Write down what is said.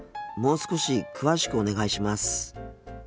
もう少し詳しくお願いします。